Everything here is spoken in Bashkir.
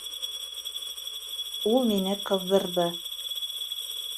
Ул мине ҡыҙҙырҙы!